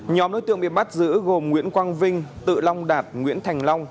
nhóm đối tượng bị bắt giữ gồm nguyễn quang vinh tự long đạt nguyễn thành long